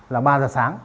là ba giờ sáng